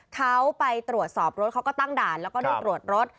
เขาไปตรวจสอบรถเขาก็ตั้งด่านแล้วก็ได้ตรวจรถ